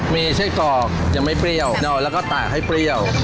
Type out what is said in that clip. มีไส้กรอกยังไม่เปรี้ยวแล้วก็ตากให้เปรี้ยว